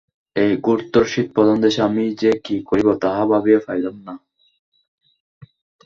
এই ঘোরতর শীতপ্রধান দেশে আমি যে কি করিব, তাহা ভাবিয়া পাইলাম না।